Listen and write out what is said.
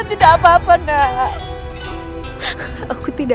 ini tidak dapat ditelanjutan